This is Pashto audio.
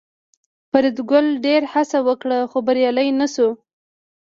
فریدګل ډېره هڅه وکړه خو بریالی نشو